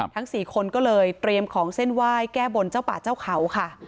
ทั้ง๔คนก็เลยเตรียมของเส้นไหว้แก้บนเจ้าป่าเจ้าเขาค่ะ